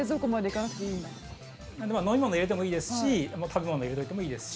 なので飲み物入れてもいいですし食べ物入れておいてもいいですし。